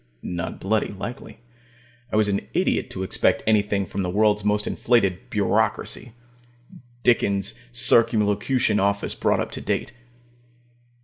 Not bloody likely! I was an idiot to expect anything from the world's most inflated bureaucracy Dickens' Circumlocution Office brought up to date.